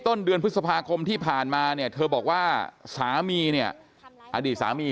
ต้นเดือนพฤษภาคมที่ผ่านมาเนี่ยเธอบอกว่าสามีเนี่ยอดีตสามี